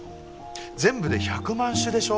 全部で１００万種でしょ？